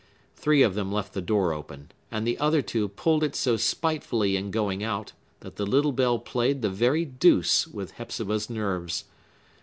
Three of them left the door open, and the other two pulled it so spitefully in going out that the little bell played the very deuce with Hepzibah's nerves.